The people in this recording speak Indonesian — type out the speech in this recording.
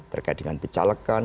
terkait dengan picalekan